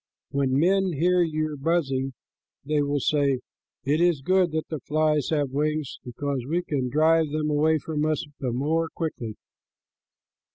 When men hear your buzzing, they will say, 'It is good that the flies have wings, because we can drive them away from us the more quickly.'"